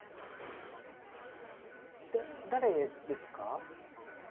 だ誰ですか？